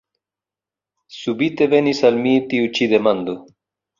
Subite venis al mi tiu ĉi demando.